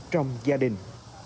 trong gia đình